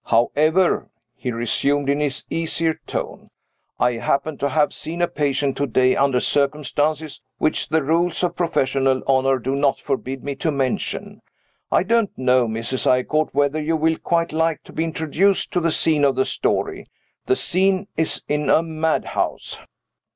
However," he resumed in his easier tone, "I happen to have seen a patient to day, under circumstances which the rules of professional honor do not forbid me to mention. I don't know, Mrs. Eyrecourt, whether you will quite like to be introduced to the scene of the story. The scene is in a madhouse."